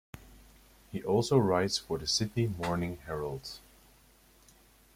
He also writes for the "Sydney Morning Herald".